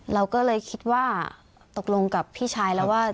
เราก็เลยคิดว่าตกลงกับพี่ชายแล้วว่า